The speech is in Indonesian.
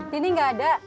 tini gak ada